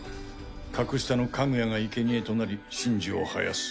格下のカグヤがいけにえとなり神樹を生やす。